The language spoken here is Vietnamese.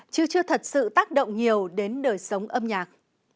phát động nhiều đến đời sống âm nhạc